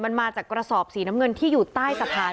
มันมาจากกระสอบสีน้ำเงินที่อยู่ใต้สะพาน